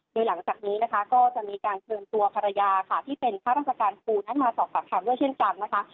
โดยหลังจากนี้ก็จะมีการเชิญตัวภรรยาที่เป็นภรรษการครูนั้นมาตอบกับคำด้วยเช่นกัน